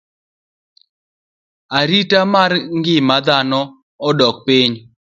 Arita mar ngima dhano odok piny.